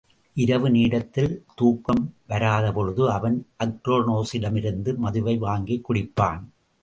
இரவு நேரத்தில் தூக்கம் வராத பொழுது, அவன் அக்ரோனோசிடமிருந்து மதுவை வாங்கிக்குடிப்பான்.